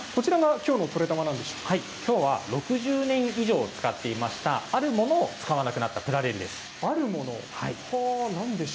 きょうは６０年以上、使っていましたあるものを使わなくなったプラレールです。